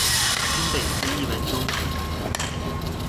新北市藝文中心